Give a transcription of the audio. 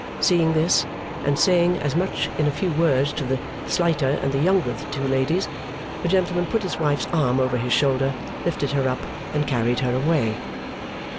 Seeing this, and saying as much in a few words to the slighter and younger of the two ladies, the gentleman put his wife's arm over his shoulder, lifted her up, and carried her away.